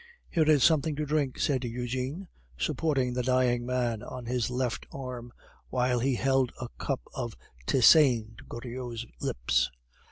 "Here is something to drink," said Eugene, supporting the dying man on his left arm, while he held a cup of tisane to Goriot's lips.